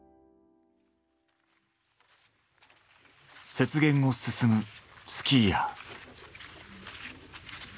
雪原を進むスキーヤー。